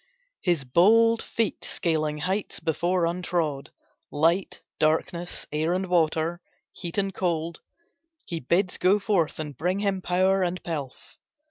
His bold feet scaling heights before untrod, Light, darkness, air and water, heat and cold, He bids go forth and bring him power and pelf.